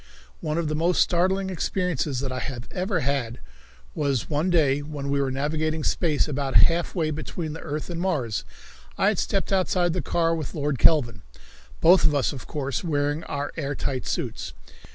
One of the most startling experiences that I have ever had was one day when we were navigating space about half way between the earth and Mars. I had stepped outside the car with Lord Kelvin, both of us, of course, wearing our air tight suits.